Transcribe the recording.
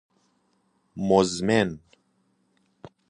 مزمن